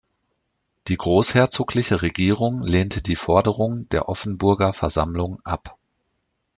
Die großherzogliche Regierung lehnte die Forderungen der Offenburger Versammlung ab.